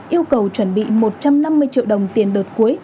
yêu cầu chuẩn bị một trăm năm mươi triệu đồng tiền đợt cuối